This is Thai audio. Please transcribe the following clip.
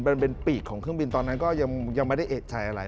มันเป็นปีกของเครื่องบินตอนนั้นก็ยังไม่ได้เอกใจอะไร